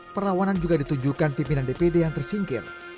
perlawanan juga ditunjukkan pimpinan dpd yang tersingkir